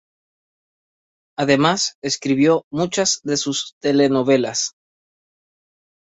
Además escribió muchas de sus telenovelas.